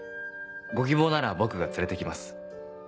ご希望なら僕が連れて来ます。